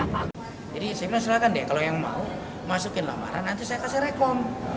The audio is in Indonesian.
jadi saya bilang silahkan deh kalau yang mau masukin laporan nanti saya kasih rekom